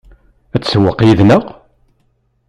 Ad tsewweq yid-neɣ?